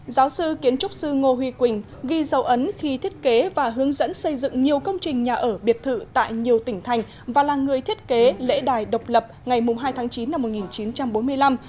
giáo sư kiến trúc sư ngô huy quỳnh ghi dấu ấn khi thiết kế và hướng dẫn xây dựng nhiều công trình nhà ở biệt thự tại nhiều tỉnh thành và là người thiết kế lễ đài độc lập ngày hai tháng chín năm một nghìn chín trăm bốn mươi năm